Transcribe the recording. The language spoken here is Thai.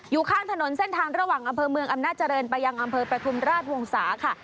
อยู่ข้างถนนเส้นทางระหว่างอำเภอเมืองอำนาจริงไปยังอำเภอประทุมราชวงศาค่ะ